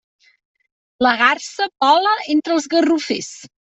La garsa vola entre els garrofers.